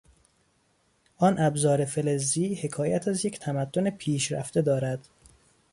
آن ابزار فلزی حکایت از یک تمدن پیشرفته دارد.